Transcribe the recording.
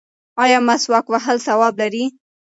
ایا مسواک وهل ثواب لري؟